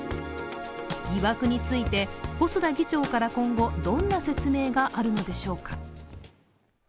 疑惑について、細田議長から今後どんな説明があるのでしょうか。